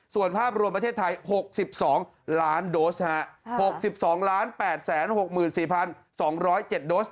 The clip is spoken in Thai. ส่วนภาพรวมประเทศไทย๖๒ล้านโดส๖๒๘๖๔๒๐๗โดส